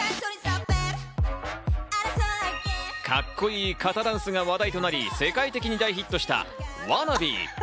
カッコいい肩ダンスが話題となり、世界的に大ヒットした『ＷＡＮＮＡＢＥ』。